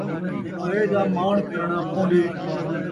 آئے دا ماݨ کرݨا پوندے